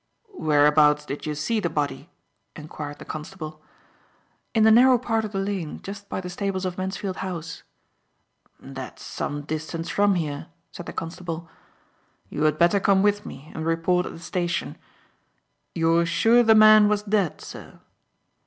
"Whereabouts did you see the body?" enquired the constable. "In the narrow part of the lane, just by the stables of Mansfield House." "That's some distance from here," said the constable. "You had better come with me and report at the station. You're sure the man was dead, sir?"